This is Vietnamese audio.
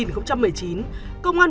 năm hai nghìn một mươi chín công an